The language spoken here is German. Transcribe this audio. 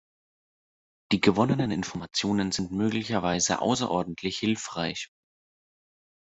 Die gewonnenen Informationen sind möglicherweise außerordentlich hilfreich.